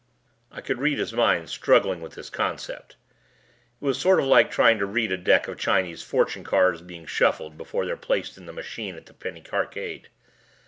I could read his mind struggling with this concept. It was sort of like trying to read a deck of Chinese Fortune Cards being shuffled before they're placed in the machine at the Penny Arcade.